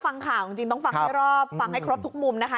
ฟังข่าวจริงต้องฟังให้รอบฟังให้ครบทุกมุมนะคะ